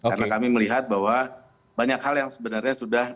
karena kami melihat bahwa banyak hal yang sebenarnya sudah